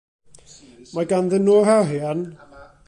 Mae ganddyn nhw'r arian.